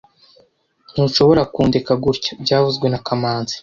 Ntushobora kundeka gutya byavuzwe na kamanzi